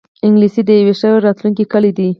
انګلیسي د یوی ښه راتلونکې کلۍ ده